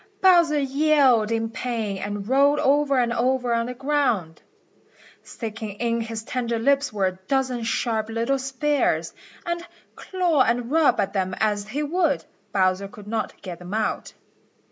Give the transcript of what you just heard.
Bowser yelled with pain and rolled over and over on the ground. Sticking in his tender lips were a dozen sharp little spears, and claw and rub at them as he would, Bowser could not get them out.